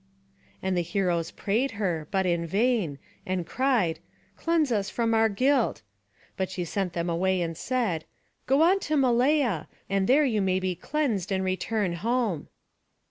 And the heroes prayed her, but in vain, and cried, "Cleanse us from our guilt!" But she sent them away and said, "Go on to Malea, and there you may be cleansed, and return home."